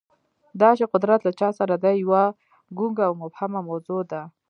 دا چې قدرت له چا سره دی، یوه ګونګه او مبهمه موضوع ده.